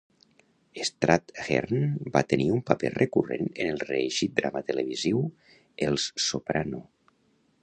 Strathairn va tenir un paper recurrent en el reeixit drama televisiu "Els Soprano".